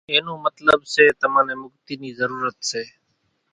اين نون مطلٻ سي تمان نين مڳتي نِي ضرورت سي